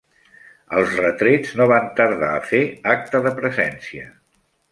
Els retrets no van tardar a fer acte de presència.